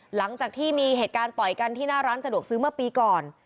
หลังจากที่มีเหตุการณ์ต่อยกันที่หน้าร้านสะดวกซื้อเมื่อปีก่อน